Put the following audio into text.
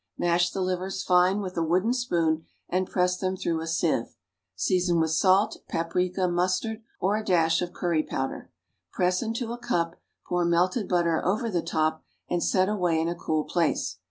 Mash the livers fine with a wooden spoon and press them through a sieve; season with salt, paprica, mustard, or a dash of curry powder. Press into a cup, pour melted butter over the top, and set away in a cool place.